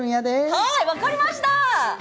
はい、分かりました！